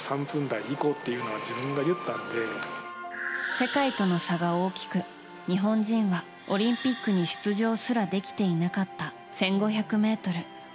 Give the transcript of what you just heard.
世界との差が大きく、日本人はオリンピックに出場すらできていなかった１５００ｍ。